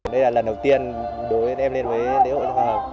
đây là lần đầu tiên đối với em lên với lễ hội hoa hồng